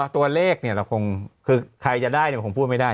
ตัวเลขใครจะได้ก็คงพูดไม่ได้